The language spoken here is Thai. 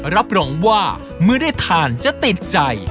รับรองว่าเมื่อได้ทานจะติดใจ